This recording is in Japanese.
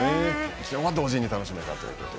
昨日は同時に楽しめたと。